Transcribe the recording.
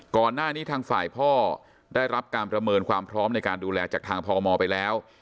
ก่อนหน้านี้ทางฝ่ายพ่อได้รับการประเมินความพร้อมในการดูแลจากทางพมไปแล้ว